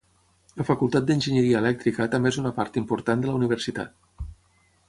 La facultat d'enginyeria elèctrica també és una part important de la universitat.